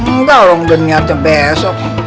enggak orang dunia cembesok